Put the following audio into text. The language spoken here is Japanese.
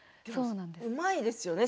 うまいですよね。